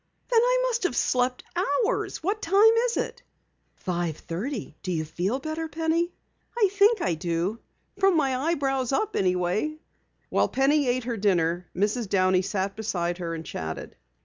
"Then I must have slept hours! What time is it?" "Five thirty. Do you feel better, Penny?" "I think I do. From my eyebrows up anyway." While Penny ate her dinner, Mrs. Downey sat beside her and chatted.